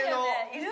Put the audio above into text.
いる？